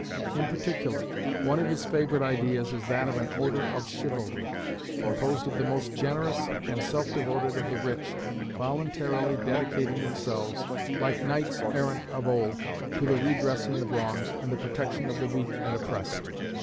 In particular, one of his favourite ideas is that of an order of Chivalry, composed of the most generous and self devoted of the rich, voluntarily dedicating themselves, like knights errant of old, to the redressing of wrongs, and the protection of the weak and oppressed.